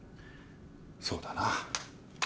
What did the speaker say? そうだな。